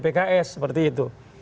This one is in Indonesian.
pks seperti itu